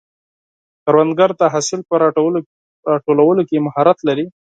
کروندګر د حاصل په راټولولو کې مهارت لري